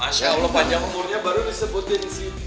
masya allah panjang umurnya baru disebutin si dia